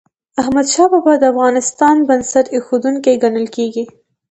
احمدشاه بابا د افغانستان بنسټ ايښودونکی ګڼل کېږي.